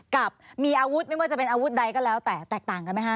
กับมีอาวุธไม่ว่าจะเป็นอาวุธใดก็แล้วแต่แตกต่างกันไหมคะ